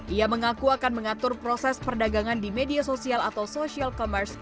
ia mengaku akan mengatur proses perdagangan di media sosial atau social commerce